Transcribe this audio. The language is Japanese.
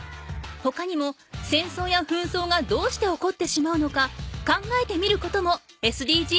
ほかにもせんそうやふんそうがどうして起こってしまうのか考えてみることもＳＤＧｓよ。